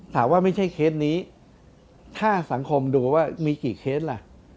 ถามว่าไม่ใช่เคสนี้ถ้าสังคมดูว่ามีกี่เคสล่ะ